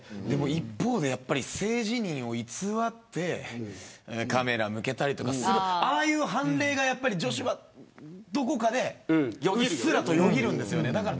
一方で、性自認を偽ってカメラ向けたりとかするああいう例が女子はどこかでうっすらとよぎるんです。